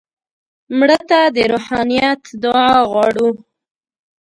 مړه ته د روحانیت دعا غواړو